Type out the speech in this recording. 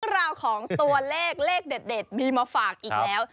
ราวของตัวเลขเลขเด็ดมีมาฝากอีกแล้ว